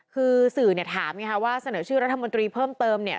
คือสื่อเนี่ยถามไงคะว่าเสนอชื่อรัฐมนตรีเพิ่มเติมเนี่ย